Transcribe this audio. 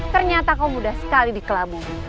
ternyata kau mudah sekali dikelabui